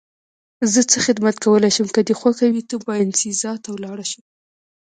زه څه خدمت کولای شم؟ که دې خوښه وي ته باینسیزا ته ولاړ شه.